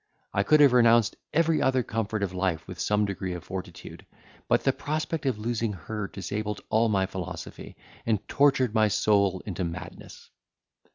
I could have renounced every other comfort of life with some degree of fortitude, but the prospect of losing her disabled all my philosophy, and tortured my soul into madness.